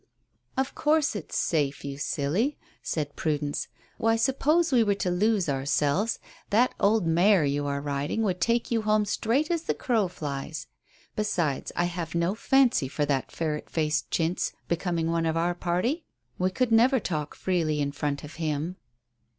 "Of course it's safe, you silly," said Prudence. "Why, suppose we were to lose ourselves, that old mare you are riding would take you home straight as the crow flies. Besides, I have no fancy for that ferret faced Chintz becoming one of our party. We could never talk freely in front of him."